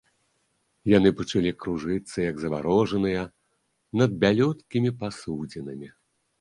Яны пачалі кружыцца, як заварожаныя, над бялюткімі пасудзінамі.